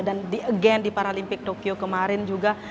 dan again di paralimpik tokyo kemarin juga